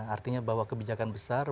artinya bahwa kebijakan besar